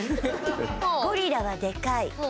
ゴリラは、デカい。